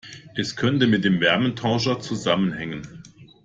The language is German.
Es könnte mit dem Wärmetauscher zusammenhängen.